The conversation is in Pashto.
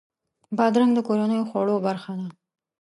بادرنګ د کورنیو خوړو برخه ده.